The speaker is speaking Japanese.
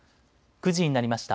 ９時になりました。